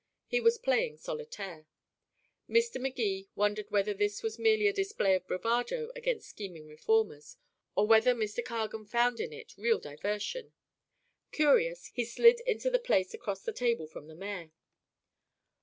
He was playing solitaire. Mr. Magee wondered whether this was merely a display of bravado against scheming reformers, or whether Mr. Cargan found in it real diversion. Curious, he slid into the place across the table from the mayor.